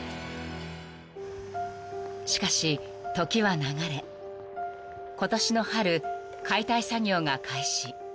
［しかし時は流れ今年の春解体作業が開始］